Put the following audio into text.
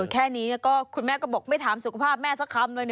แค่นี้ก็คุณแม่ก็บอกไม่ถามสุขภาพแม่สักคำเลย